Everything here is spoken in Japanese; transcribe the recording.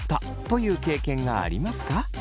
という経験がありますか？